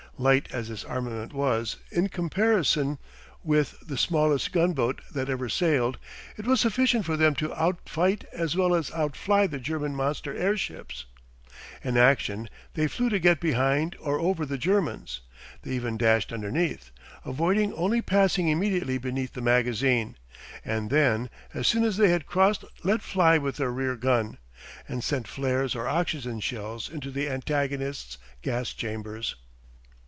Light as this armament was in comparison with the smallest gunboat that ever sailed, it was sufficient for them to outfight as well as outfly the German monster airships. In action they flew to get behind or over the Germans: they even dashed underneath, avoiding only passing immediately beneath the magazine, and then as soon as they had crossed let fly with their rear gun, and sent flares or oxygen shells into the antagonist's gas chambers.